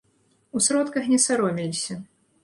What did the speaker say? У сродках не саромеліся.